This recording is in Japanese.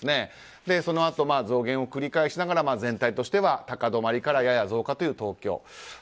そのあと、増減を繰り返しながら全体として高止まりからやや増加という東京。